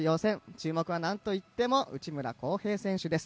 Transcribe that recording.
注目は何といっても内村航平選手です。